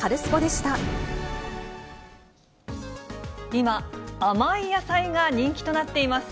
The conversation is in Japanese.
今、甘い野菜が人気となっています。